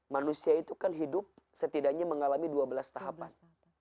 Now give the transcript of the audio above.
manusia itu kan hidup setidaknya mengalami dua belas tahapan